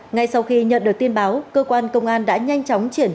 ngay sau khi nhận được tin báo cơ quan công an đã nhanh chóng triển khai